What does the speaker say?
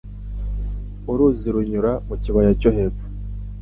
Uruzi runyura mu kibaya cyo hepfo.